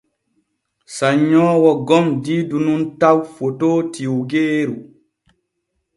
Sannyoowo gom diidu nun taw fotoo tiwggeeru.